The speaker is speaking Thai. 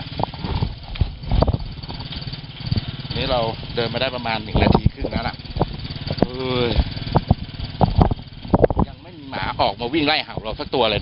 อันนี้เราเดินมาได้ประมาณ๑นาทีครึ่งแล้วล่ะ